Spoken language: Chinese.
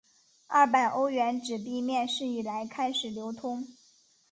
二百欧元纸币面世以来开始流通。